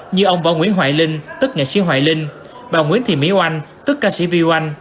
như ông võ nguyễn hoài linh tức nghệ sĩ hoài linh bà nguyễn thị mỹ oanh tức ca sĩ vy oanh